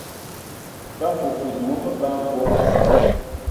Ba fufudi mɔ məbɛ a mbog.